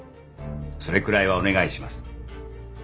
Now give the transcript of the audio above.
それくらいはお願いします。